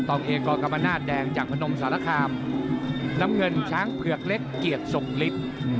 องเอกอกรรมนาศแดงจากพนมสารคามน้ำเงินช้างเผือกเล็กเกียรติทรงฤทธิ์